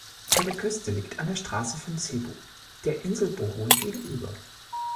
Ihre Küste liegt an der Straße von Cebu, der Insel Bohol gegenüber.